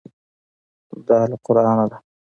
دا له قرانه ده.